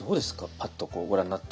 パッとご覧になって。